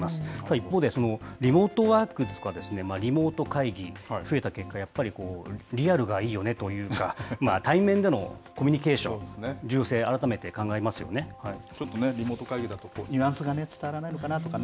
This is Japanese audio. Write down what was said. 一方で、リモートワークとか、リモート会議、増えた結果、やっぱりこう、リアルがいいよねというか、対面でのコミュニケーション、ちょっとね、リモート会議だとニュアンスが伝わらないのかなとかね。